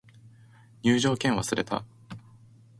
入場券忘れた